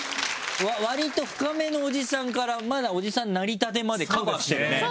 割と深めのおじさんからまだおじさんになりたてまでカバーしてるよね